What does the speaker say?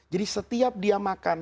jadi setiap dia makan